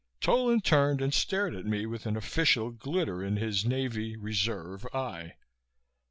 Tolan turned and stared at me with an official glitter in his Navy (Reserve) eye.